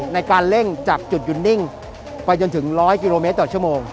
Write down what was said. ในการเร่งจากจุดหยุดนิ่งไปจนถึง๑๐๐กิโลเมตรต่อชั่วโมง